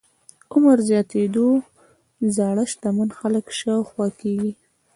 عمر زياتېدو زاړه شتمن خلک شاوخوا کېږي.